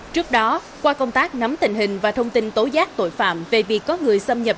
trước đó qua công tác nắm tình hình và thông tin tố giác tội phạm về việc có người xâm nhập